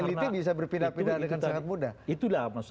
itu tidak pindah dengan sangat mudah